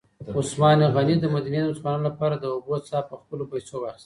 عثمان غني د مدینې د مسلمانانو لپاره د اوبو څاه په خپلو پیسو واخیسته.